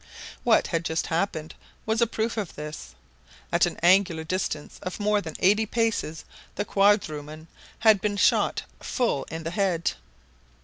What had just happened was a proof of this. At an angular distance of more than eighty paces the quadruman had been shot full in the head.